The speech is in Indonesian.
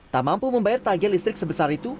tak mampu membayar tagihan listrik sebesar itu